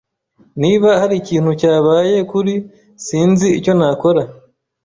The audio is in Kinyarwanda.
Niba hari ikintu cyabaye kuri , sinzi icyo nakora.